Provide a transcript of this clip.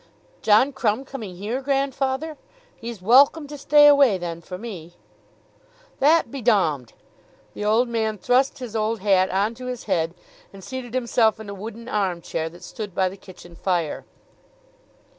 "John Crumb coming here, grandfather? He's welcome to stay away then, for me." "That be dommed." The old man thrust his old hat on to his head and seated himself in a wooden arm chair that stood by the kitchen fire.